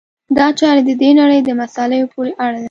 دا چارې د دې نړۍ مصالحو پورې اړه لري.